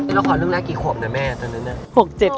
แล้วขอเรื่องราคากี่ขวบนะแม่ตอนนั้นนะ